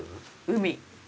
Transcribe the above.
海。